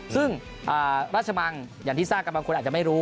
ซึ่งราชมังอย่างที่ทราบกันบางคนอาจจะไม่รู้